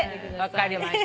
分かりました。